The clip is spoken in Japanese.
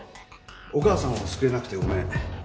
「お母さんを救えなくてごめん。